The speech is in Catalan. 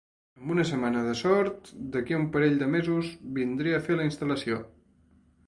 Amb una setmana de sort, d'aquí a un parell de mesos vindré a fer la instal·lació.